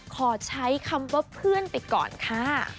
ขอใช้คำว่าเพื่อนไปก่อนค่ะ